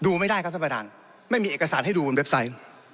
ไม่ได้ครับท่านประธานไม่มีเอกสารให้ดูบนเว็บไซต์